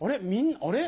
あれ？